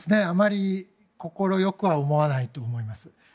あまり快くは思わないと思います。